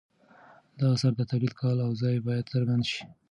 د اثر د تولید کال او ځای باید څرګند شي.